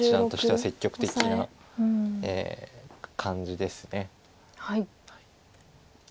積極的な感じです。